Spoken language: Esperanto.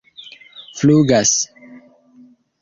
flugas